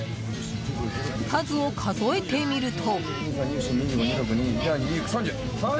数を数えてみると。